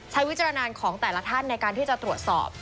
วิจารณของแต่ละท่านในการที่จะตรวจสอบ